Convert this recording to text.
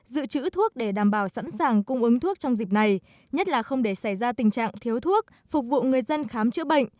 dự trữ thuốc để đảm bảo sẵn sàng cung ứng thuốc trong dịp này nhất là không để xảy ra tình trạng thiếu thuốc phục vụ người dân khám chữa bệnh